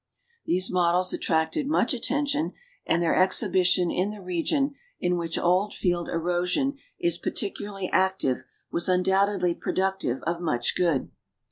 These models attracted much attention, and their exhibition in the region in which old field erosion is particularly active was undoubtedly productive of much good.